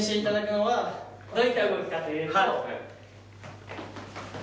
はい。